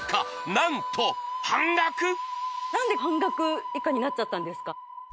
何で半額以下になっちゃったんですか？